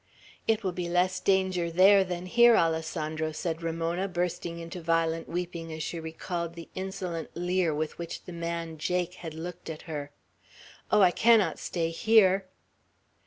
"It will be less danger there than here, Alessandro," said Ramona, bursting into violent weeping as she recalled the insolent leer with which the man Jake had looked at her. "Oh! I cannot stay here!"